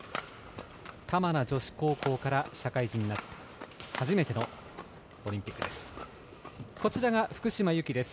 玉名女子高校から社会人になって初めてのオリンピックです。